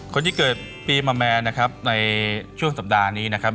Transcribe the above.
คนที่เกิดปีมาแมนนะครับในช่วงสัปดาห์นี้นะครับ